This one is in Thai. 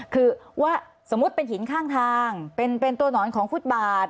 คือว่าสมมุติเป็นหินข้างทางเป็นตัวหนอนของฟุตบาท